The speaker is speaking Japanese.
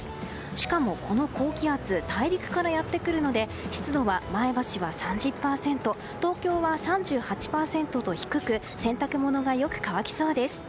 しかもこの高気圧大陸からやってくるので湿度は前橋は３０％東京は３８％と低く洗濯物がよく乾きそうです。